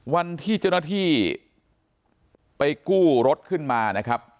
วันที่เจ้าหน้าที่ไปกู้รถขึ้นมานะครับ